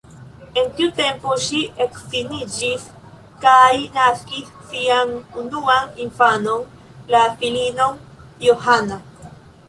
En tiu tempo ŝi edziniĝis kaj naskis sian unuan infanon, la filinon Johanna.